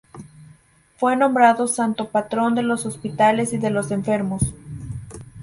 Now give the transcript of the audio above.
Fue nombrado santo patrón de los hospitales y de los enfermos.